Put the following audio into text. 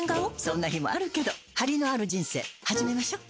そんな日もあるけどハリのある人生始めましょ。